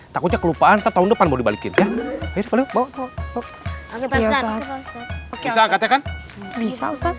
tapi kok kayak kembali ke rumah